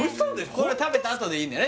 これ食べたあとでいいんだね